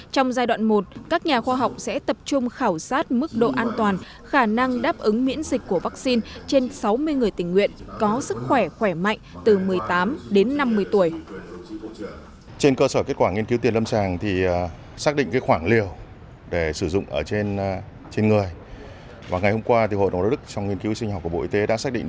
trong giai đoạn một các nhà khoa học sẽ tập trung khảo sát mức độ an toàn khả năng đáp ứng miễn dịch của vaccine trên sáu mươi người tình nguyện